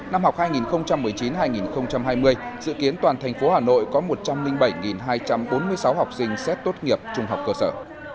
năm học hai nghìn một mươi chín hai nghìn hai mươi dự kiến toàn thành phố hà nội có một trăm linh bảy hai trăm bốn mươi sáu học sinh xét tốt nghiệp trung học cơ sở